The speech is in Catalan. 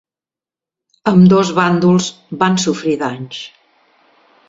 Ambdós bàndols van sofrir danys.